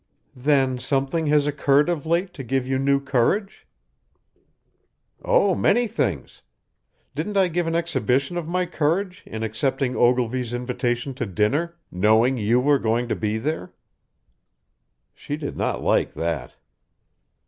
"Then, something has occurred of late to give you new courage?" "Oh, many things. Didn't I give an exhibition of my courage in accepting Ogilvy's invitation to dinner, knowing you were going to be there?" She did not like that.